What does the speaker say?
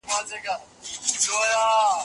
که سياسي پوهه نه وي خلګ په اسانۍ غوليږي.